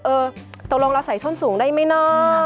เออตกลงเราใส่ส้นสูงได้ไหมเนาะ